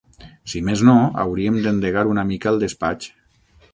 Si més no, hauríem d'endegar una mica el despatx!